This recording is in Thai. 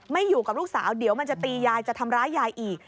อยู่กับลูกสาวเดี๋ยวมันจะตียายจะทำร้ายยายอีก